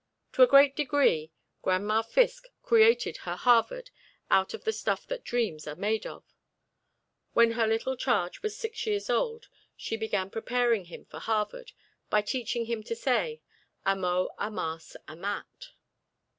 To a great degree, Gran'ma Fiske created her Harvard out of the stuff that dreams are made of. When her little charge was six years old, she began preparing him for Harvard by teaching him to say, "amo, amas, amat."